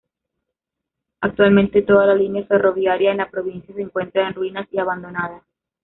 Actualmente toda la línea ferroviaria en la provincia se encuentra en ruinas y abandonada.